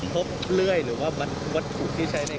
เลื่อยหรือว่าวัตถุที่ใช้ใน